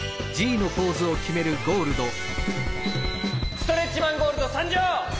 ストレッチマンゴールドさんじょう！